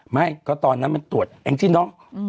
ไม่ก็ตอนนั้นมันตรวจแองจี้เนอะ